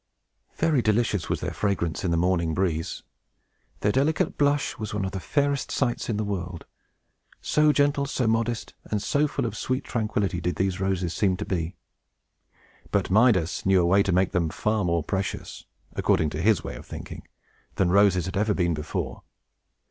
Very delicious was their fragrance in the morning breeze. Their delicate blush was one of the fairest sights in the world; so gentle, so modest, and so full of sweet tranquillity, did these roses seem to be. But Midas knew a way to make them far more precious, according to his way of thinking, than roses had ever been before.